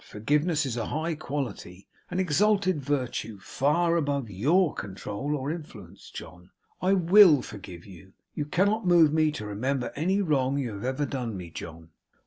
Forgiveness is a high quality; an exalted virtue; far above YOUR control or influence, John. I WILL forgive you. You cannot move me to remember any wrong you have ever done me, John.